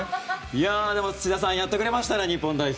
でも、土田さんやってくれましたね、日本代表。